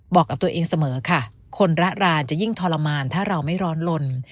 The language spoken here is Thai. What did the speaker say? บอกกับตัวเองเสมอค่ะคนระรานจะยิ่งทรมานถ้าเราไม่ร้อนลน